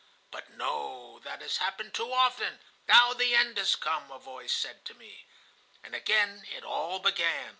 'But no, that has happened too often! Now the end has come,' a voice said to me. "And again it all began.